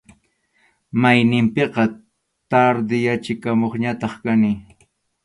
Mayninpiqa tardeyachikamuqñataq kani.